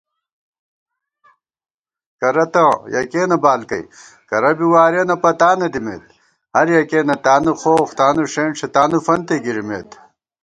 کرہ تہ یَکِیَنہ بالکَئ کرہ بی وارِیَنہ پتانہ دِمېت * ہر یَکِیَنہ تانُو خوخ تانُو ݭېنݭےتانُوفنتےگِرِمېت